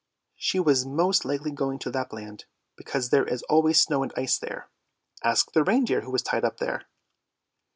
"" She was most likely going to Lapland, because there is always snow and ice there! Ask the reindeer who is tied up there."